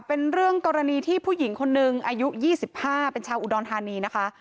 เป็นเรื่องกรณีที่ผู้หญิงคนนึงอายุ๒๕เป็นชาวอุดรธานีนะคะ